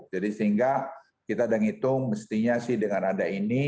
jadi sehingga kita sudah ngitung mestinya sih dengan ada ini